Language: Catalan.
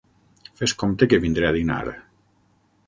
Fes compte que vindré a dinar.